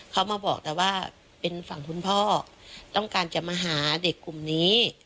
เขามาบอกแต่ว่าเป็นฝั่งคุณพ่อต้องการจะมาหาเด็กกลุ่มนี้